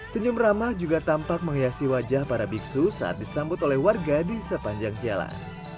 senyum ramah juga tampak menghiasi wajah para biksu saat disambut oleh warga di sepanjang jalan